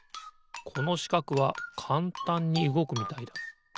このしかくはかんたんにうごくみたいだ。